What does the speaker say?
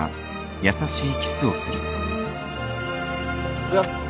行くよ。